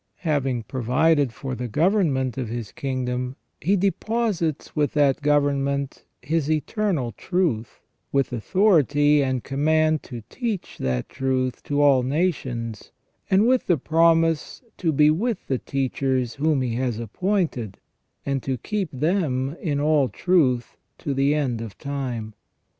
Having provided for the government of His kingdom, He deposits with that government His eternal truth, with authority and command to teach that truth to all nations, and with the promise to be with the teachers whom He has appointed, and to keep them in all truth to the end of time.